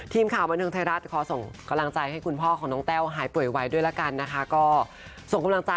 ทีมข่าวกระทั่งไทยรัฐขอส่งกำลังใจให้คุณพ่อของน้องแต้วหายป่วยไว้ด้วยละกันนะคะ